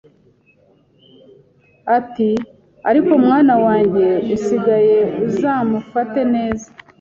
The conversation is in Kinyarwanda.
ati ariko umwana wanjye usigaye uzamufate neza,